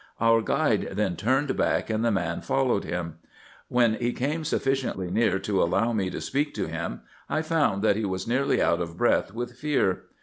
Our guide then turned back, and the man followed him. When he came suffi ciently near to allow me to speak to him, I found that he was nearly out of breath with fear.